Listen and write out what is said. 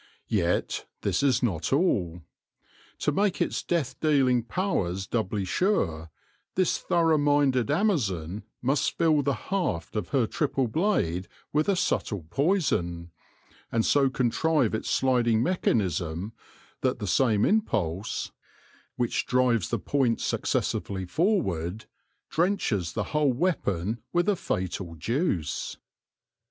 Yet this is not all. To make its death dealing powers doubly sure, this thorough minded amazon must fill the haft of her triple blade with a subtle poison, and so contrive its sliding mechanism that the same impulse, w T hich A ROMANCE OF ANATOMY 119 drives the points successively forward, drenches the whole weapon with a fatal juice.